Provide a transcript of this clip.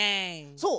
そう。